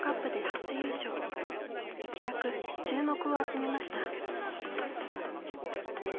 一躍注目を集めました。